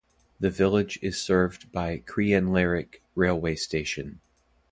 The village is served by Crianlarich railway station.